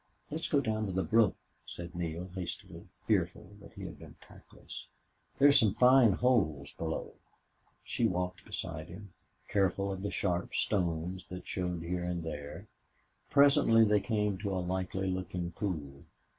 "Let's go down the brook," said Neale, hastily, fearful that he had been tactless. "There are some fine holes below." She walked beside him, careful of the sharp stones that showed here and there. Presently they came to a likely looking pool.